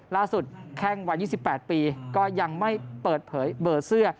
ล่าสุดแค่งวัน๒๘ปีก็ยังไม่เปิดเผยเบอร์เสื้อ